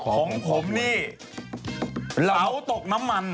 ของผมนี่เหลาตกน้ำมัน